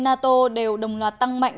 nato đều đồng loạt tăng mạnh